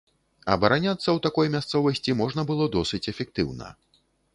Абараняцца ў такой мясцовасці можна было досыць эфектыўна.